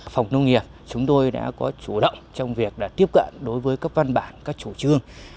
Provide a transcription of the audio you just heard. phòng nông nghiệp chúng tôi đã có chủ động trong việc tiếp cận đối với các văn bản các chủ trương